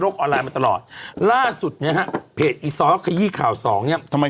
โลกออนไลน์มาตลอดล่าสุดเนี่ยค่ะคยีข่าว๒ทำไม